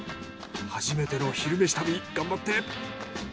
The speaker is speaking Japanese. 初めての「昼めし旅」頑張って！